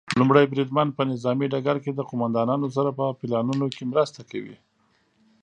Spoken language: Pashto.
لومړی بریدمن په نظامي ډګر کې د قوماندانانو سره په پلانونو کې مرسته کوي.